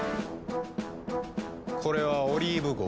これは「オリーブ号」。